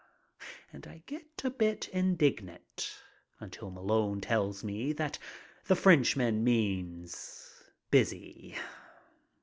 And I get a bit indignant until Malone tells me that the Frenchman means "busy."